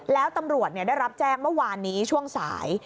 แล้วตำรวจได้รับแจ้งเมื่อวานนี้ช่วงสาย